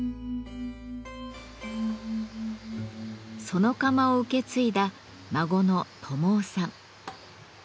その窯を受け継いだ孫の友緒さん。